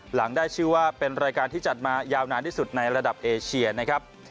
หลังได้ชื่อว่าเป็นรายการที่จัดมายาวนานที่สุดในระดับเอเชียนะครับ